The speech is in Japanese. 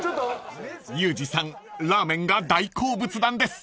［ユージさんラーメンが大好物なんです］